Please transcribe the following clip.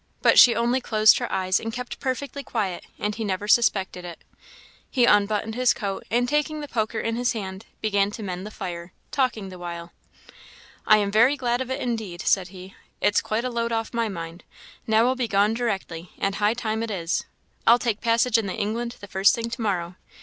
But she only closed her eyes and kept perfectly quiet, and he never suspected it. He unbuttoned his coat, and taking the poker in his hand, began to mend the fire, talking the while. "I am very glad of it, indeed," said he; "it's quite a load off my mind. Now we'll be gone directly, and high time it is I'll take passage in the England the first thing to morrow.